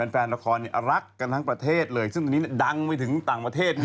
แฟนละครรักกันทั้งประเทศเลยซึ่งตอนนี้ดังไปถึงต่างประเทศ